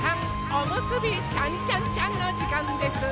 おむすびちゃんちゃんちゃんのじかんです！